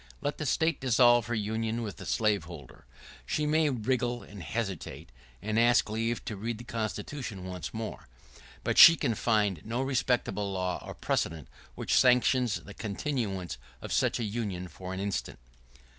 Let the State dissolve her union with the slaveholder. She may wriggle and hesitate, and ask leave to read the Constitution once more; but she can find no respectable law or precedent which sanctions the continuance of such a union for an instant.